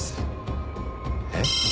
えっ？